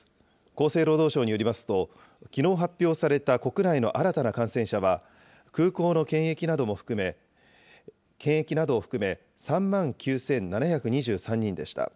厚生労働省によりますと、きのう発表された国内の新たな感染者は、空港の検疫などを含め、３万９７２３人でした。